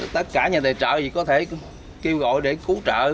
tất cả nhà tài trợ gì có thể kêu gọi để cứu trợ